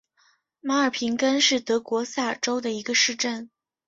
马尔平根是德国萨尔州的一个市镇。